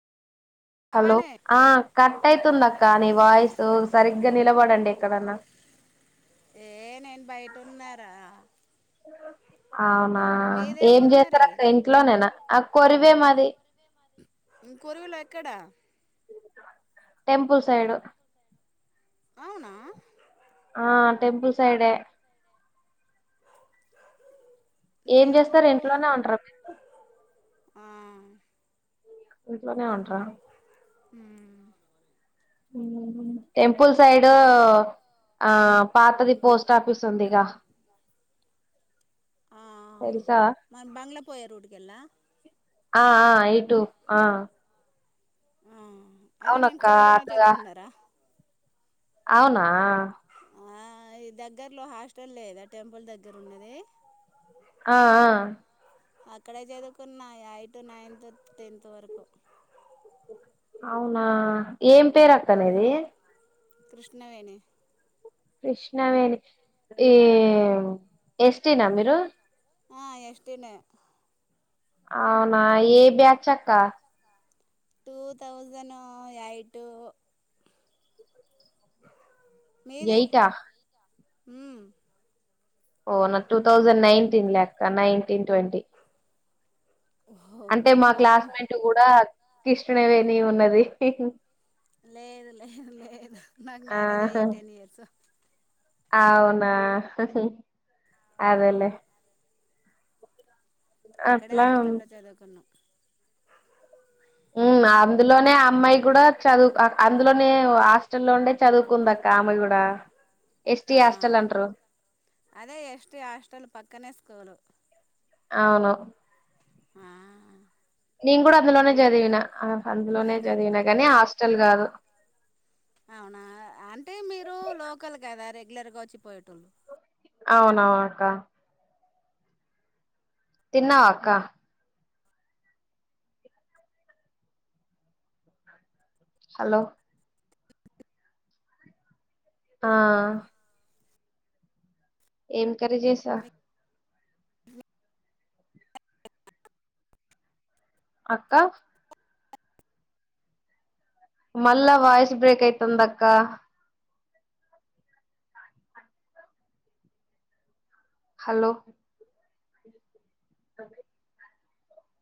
hello అవనే ఆ cut అయితుంది అక్క నీ వాయిసు సరిగ్గా నిలబడండి ఎక్కడన్నా ఏ నేను బయటున్నారా అవునా ఏం చేస్తార అక్క ఇంట్లో నేనా ఆ కొరివే మాది ఇ కొరువిలో ఎక్కడా టెంపుల్ సైడ్ అవునా ఆ టెంపుల్ సైడే ఏం చేస్తారు టెంపో ఇంట్లోనే ఉంటరా మీరు ఆ ఇట్లనే అంటరా హ్మ్ టెంపుల్ సైడ్ ఆ పాతది పోస్ట్ ఆఫీస్ ఉందిగా ఆ తెలుసా మన బంగ్లా పోయే రూటుకెళ్లా ఆ ఆ ఇటు ఆ అరే నేను అవునక్క కురిలోనే అటుగా చదువుకున్నారా అవునా ఆ ఈ దగ్గర్లో హాస్టల్ లేదా టెంపుల్ దగ్గర ఉన్నది ఆ ఆ అక్కడే చదువుకున్న ఎయిట్ నైన్త్ టెన్త్ వరకు అవునా ఏం పేరు అక్క నీది కృష్ణవేణి కృష్ణవేణి ఈ ఎస్ టి నా మీరు ఆ ఎస్ టి నే అవునా ఏ బ్యాచ్ అక్క టూ థౌసండ్ ఎయిట్ ఎయిటా హమ్ ఓ నా టూ థౌసండ్ నైన్టీన్ లే అక్క నైన్టీన్ ట్వంటీ అంటే ఓహోరి మా మొన్నం క్లాస్మేట్ కూడా కృష్ణవేణి ఉన్నది లేదు లేదు లేదు నాకు మ్యారేజ్ ఆహా అయ్యే టెన్ ఇయర్స్ అవుతుంది అవునా హ హ అదే లే అక్కడే హాస్టల్లో చదువుకున్నాం ఉ అందులోనే అమ్మాయి కూడా చదువు అందులోనే హాస్టల్లో ఉండే చదువుకుంది అక్క ఆమె కూడా ఎస్టీ ఆ హాస్టల్ అంటారు అదే ఎస్ టి హాస్టల్ పక్కనే స్కూలు అవును ఆ నేను కూడా అందులోనే చదివిన అందులోనే చదివిన కాని హ స్టాల్ కాదు అవునా అంటే మీరు లోకల్ కదా రె రెగ్యులర్ గా వచ్చి పోయేటోల్లు అవునవు అక్క తిన్నవ అక్క హలో ఆ ఏం కరీ చేసా అక్క మళ్ళా వయిస్ బ్రేక్ యితుంద అక్క హలో అే